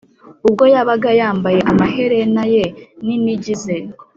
ubwo yabaga yambaye amaherena ye n’inigi ze,